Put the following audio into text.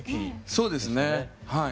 そうですねはい。